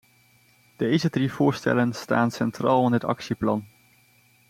Deze drie voorstellen staan centraal in het actieplan.